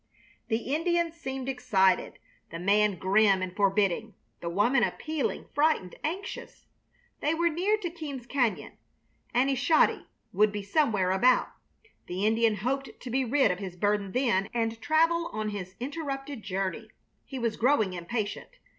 The Indians seemed excited the man grim and forbidding, the woman appealing, frightened, anxious. They were near to Keams Cañon. "Aneshodi" would be somewhere about. The Indian hoped to be rid of his burden then and travel on his interrupted journey. He was growing impatient.